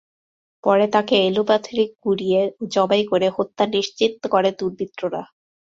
পরে তাঁকে এলোপাতাড়ি কুপিয়ে ও জবাই করে হত্যা নিশ্চিত করে দুর্বৃত্তরা।